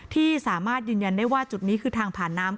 ที่สามารถยืนยันได้ว่าจุดนี้คือทางผ่านน้ำ